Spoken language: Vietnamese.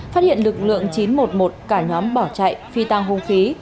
phát hiện lực lượng chín một một cả nhóm bỏ chạy phi tăng hung khí